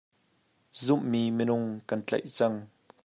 Zumhmi minung kan tlaih cang.